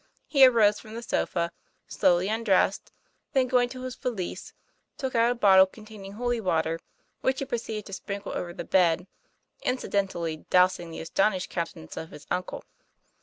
He arose from the sofa, slowly undressed, then going to his valise took out a bottle containing holy water, which he proceeded to sprinkle over the bed, incidentally dousing the aston ished countenance of his uncle.